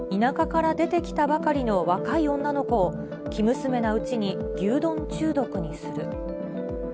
吉野家によると、田舎から出てきたばかりの若い女の子を、生娘なうちに牛丼中毒にする。